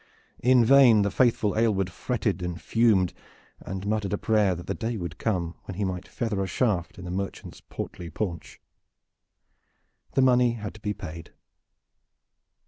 In vain the faithful Aylward fretted and fumed and muttered a prayer that the day would come when he might feather a shaft in the merchant's portly paunch. The money had to be paid.